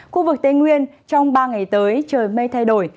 khu vực tây nguyên trong ba ngày tới trời mây thay đổi